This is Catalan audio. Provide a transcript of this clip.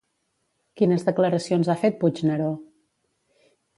Quines declaracions ha fet Puigneró?